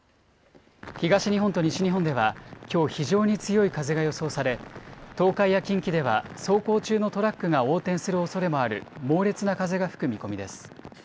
東日本と西日本ではきょう非常に強い風が予想され、東海や近畿では、走行中のトラックが横転するおそれもある猛烈な風が吹く見込みです。